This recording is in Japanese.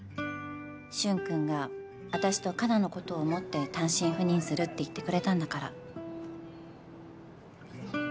「舜くんが私と花奈のことを思って“単身赴任する”って言ってくれたんだから」